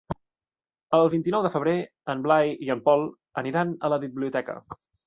El vint-i-nou de febrer en Blai i en Pol aniran a la biblioteca.